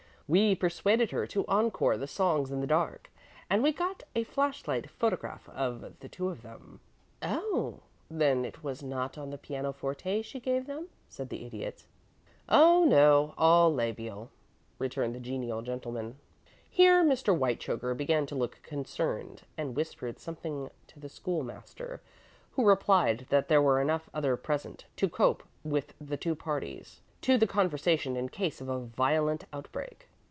We persuaded her to encore the songs in the dark, and we got a flash light photograph of two of them." "Oh! then it was not on the piano forte she gave them?" said the Idiot. "Oh no; all labial," returned the genial gentleman. Here Mr. Whitechoker began to look concerned, and whispered something to the School master, who replied that there were enough others present to cope with the two parties to the conversation in case of a violent outbreak.